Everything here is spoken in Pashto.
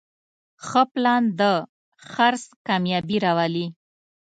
ښه پلان د خرڅ کامیابي راولي.